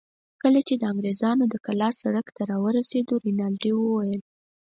کله چې د انګرېزانو د کلا سړک ته راورسېدو، رینالډي وویل.